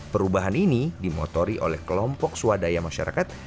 perubahan ini dimotori oleh kelompok swadaya masyarakat